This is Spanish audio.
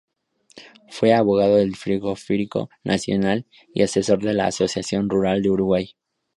Fue abogado del Frigorífico Nacional y asesor de la Asociación Rural del Uruguay.